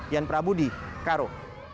yan prabudi karo